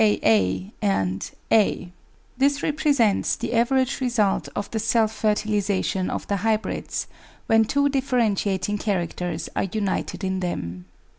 A a A a This represents the average result of the self fertilisation of the hybrids when two differentiating characters are united in them.